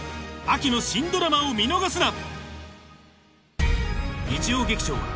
ＴＢＳ秋の新ドラマを見逃すな！